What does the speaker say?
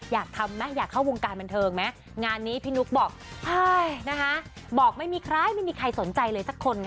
อยากทำไหมอยากเข้าวงการบันเทิงไหมงานนี้พี่นุ๊กบอกใช่นะคะบอกไม่มีใครไม่มีใครสนใจเลยสักคนค่ะ